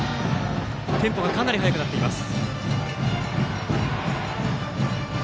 テンポがかなり速くなっています。